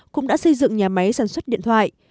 cũng đã xây dựng nhà máy sản xuất điện thoại